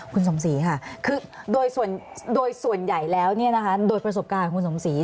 คุณสมศรีค่ะคือโดยส่วนใหญ่แล้วโดยประสบการณ์ของคุณสมศรี